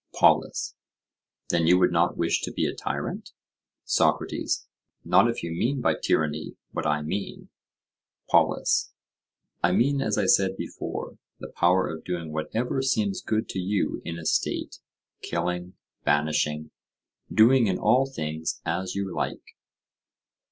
POLUS: Then you would not wish to be a tyrant? SOCRATES: Not if you mean by tyranny what I mean. POLUS: I mean, as I said before, the power of doing whatever seems good to you in a state, killing, banishing, doing in all things as you like.